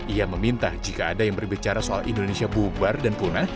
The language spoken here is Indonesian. ia meminta jika ada yang berbicara soal indonesia